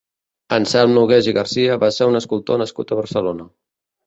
Anselm Nogués i Garcia va ser un escultor nascut a Barcelona.